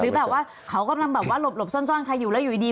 แบบว่าเขากำลังแบบว่าหลบซ่อนใครอยู่แล้วอยู่ดี